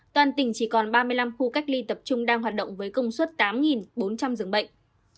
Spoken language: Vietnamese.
toàn tỉnh chỉ còn ba mươi năm khu cách ly tập trung đang hoạt động với công suất tám bốn trăm linh giường bệnh